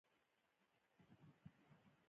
د خپل خواوشا ټول شيان په چرو بدلوي.